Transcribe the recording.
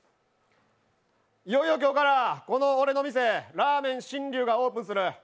いよいよ今日から俺の店、ラーメンしんりゅうがオープンする。